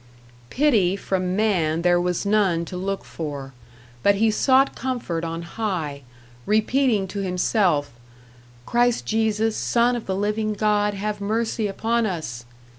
Pity from man there was none to look for, but he sought comfort on high, repeating to himself, "Christ Jesus, Son of the living God, have mercy upon us!"